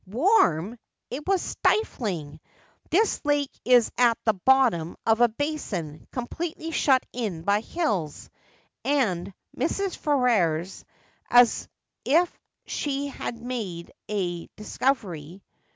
' Warm ! It was stifling. This lake is at the bottom of a basin, completely shut in by hills,' said Mrs. Ferrers, as if she had made a discovery.